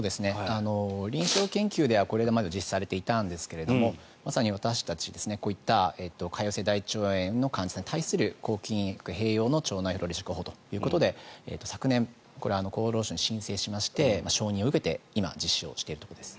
臨床研究ではこれは実施されていたんですがまさに私たち、こういった潰瘍性大腸炎の人たちに対する抗菌薬併用の腸内フローラ移植法ということで昨年、厚労省に申請しまして承認を受けて今、実施しているところです。